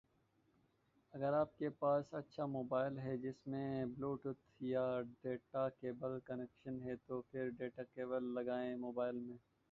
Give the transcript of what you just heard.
اگر آپ کے پاس اچھا موبائل ہے جس میں بلوٹوتھ یا ڈیٹا کیبل کنیکشن ہے تو پھر ڈیٹا کیبل لگائیں موبائل میں